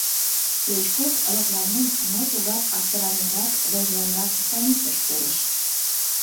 Клычков, лыпланен, но тугак аптыраненрак, вожылынрак станицыш пурыш.